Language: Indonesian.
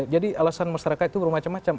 alasan masyarakat itu bermacam macam